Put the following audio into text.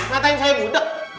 katain saya budeg